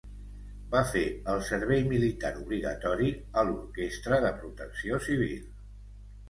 Va fer el servei militar obligatori a l'orquestra de Protecció Civil.